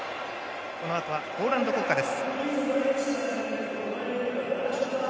このあとはポーランド国歌です。